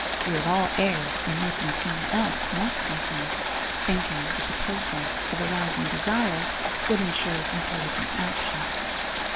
We have all erred in making someone else want something, thinking that the process of arousing desire would insure intelligent action.